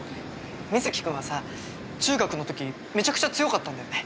水城君はさ中学の時めちゃくちゃ強かったんだよね？